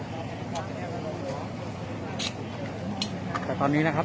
มันก็ไม่ต่างจากที่นี่นะครับ